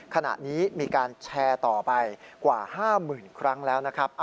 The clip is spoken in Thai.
ขณะนี้มีการแชร์ต่อไปกว่า๕๐๐๐ครั้งแล้วนะครับ